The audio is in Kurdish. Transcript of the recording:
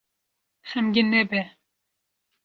Xemgîn nebe.